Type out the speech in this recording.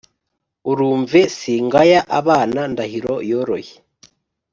urumve, singaya abana ndahiro yoroye